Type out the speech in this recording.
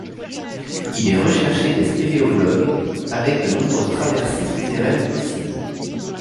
Il est recherché des spéléologues, avec de nombreuses traversées souterraines possibles.